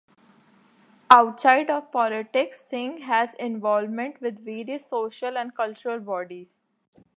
Outside of politics, Singh has involvement with various social and cultural bodies.